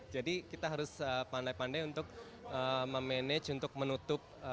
jadi kita harus pandai pandai untuk memanage untuk menutup